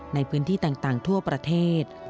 ในพื้นที่ต่างทั่วประเทศ